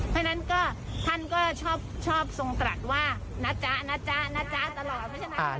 เพราะฉะนั้นท่านชอบทรงตรัสว่านัทจ๊ะนัทจ๊ะนัทจ๊ะ